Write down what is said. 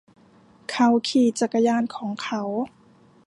เขาขี่จักรยานของเขา